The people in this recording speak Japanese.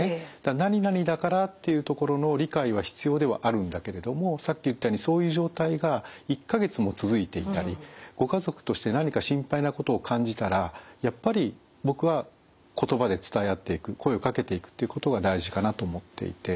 何々だからっていうところの理解は必要ではあるんだけれどもさっき言ったようにそういう状態が１か月も続いていたりご家族として何か心配なことを感じたらやっぱり僕は言葉で伝え合っていく声をかけていくってことが大事かなと思っていて。